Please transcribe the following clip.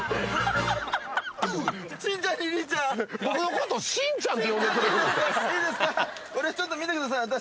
これちょっと見てください。